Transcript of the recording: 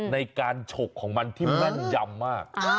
ในการฉกของมันที่แม่นยำมาก